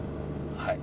はい。